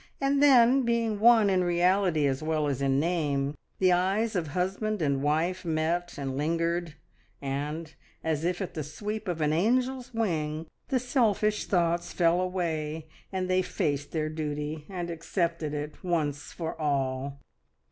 And then, being one in reality as well as in name, the eyes of husband and wife met and lingered, and, as if at the sweep of an angel's wing, the selfish thoughts fell away, and they faced their duty and accepted it once for all.